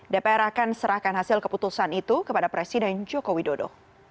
dpr akan serahkan hasil keputusan itu kepada presiden joko widodo